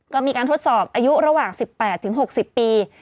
ก็มีการทดสอบอายุระหว่าง๑๘๖๐ปี